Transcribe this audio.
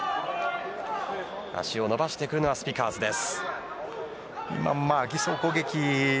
足を伸ばしてくるのはスピカーズです。